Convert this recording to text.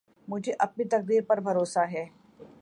مجھے اپنی تقدیر پر بھروسہ ہے